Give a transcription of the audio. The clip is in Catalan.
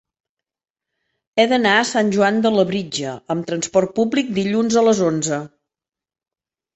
He d'anar a Sant Joan de Labritja amb transport públic dilluns a les onze.